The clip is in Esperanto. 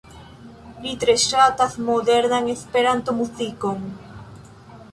Li tre ŝatas modernan Esperanto-muzikon.